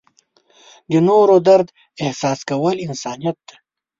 د نورو درد احساس کول انسانیت دی.